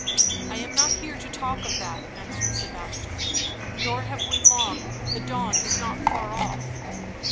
" I am not here to talk of that," answered Sebastian; "nor have we long — the dawn is not far off."